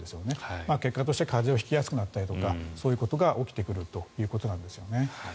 結果として風邪を引きやすくなったりとかそういうことが起きてくるということです。